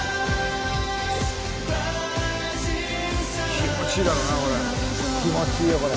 気持ちいいだろうなこれ。